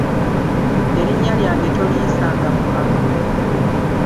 Erinnya lyange toliyisanga mu kamwa.